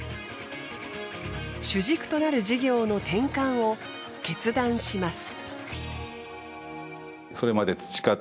主軸となる事業の転換を決断します。